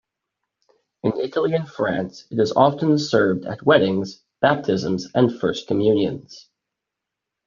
In Italy and France, it is often served at weddings, baptisms and first communions.